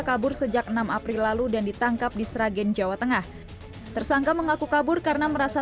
kabur sejak enam april lalu dan ditangkap di sragen jawa tengah tersangka mengaku kabur karena merasa